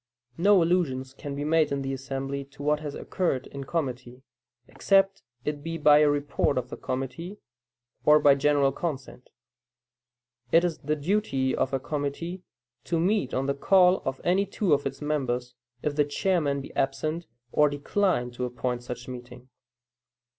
No allusion can be made in the assembly to what has occurred in committee, except it be by a report of the committee, or by general consent. It is the duty of a committee to meet on the call of any two its of members, if the chairman be absent or decline to appoint such meeting.